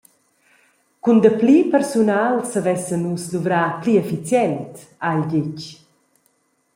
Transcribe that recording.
«Cun dapli persunal savessen nus luvrar pli efficient», ha el detg.